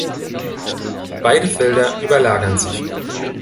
Beide Felder überlagern sich.